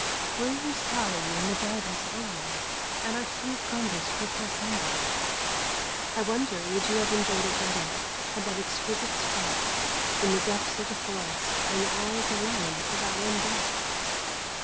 Were you sorry when the drive was over, and our sweet converse perforce ended? I wonder would you have enjoyed it better had that exquisite spot, in the depths of the forest, been ours alone for that one day?